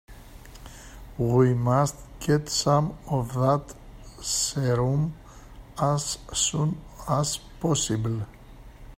We must get some of that serum as soon as possible.